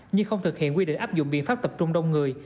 nhưng không thực hiện quy định áp dụng biện pháp tập trung đông người